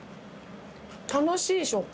楽しい食感。